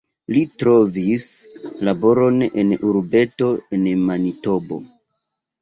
Li trovis laboron en urbeto en Manitobo.